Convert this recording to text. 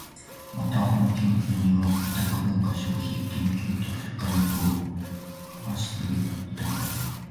また、本研究にはオタク文化消費研究と社会学を架橋する意図がある。